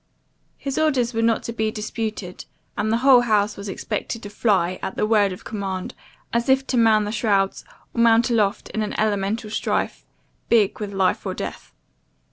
His orders were not to be disputed; and the whole house was expected to fly, at the word of command, as if to man the shrouds, or mount aloft in an elemental strife, big with life or death.